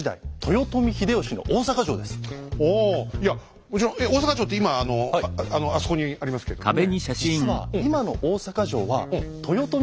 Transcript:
いやもちろん大坂城って今あそこにありますけどもね。